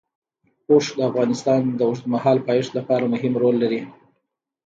اوښ د افغانستان د اوږدمهاله پایښت لپاره مهم رول لري.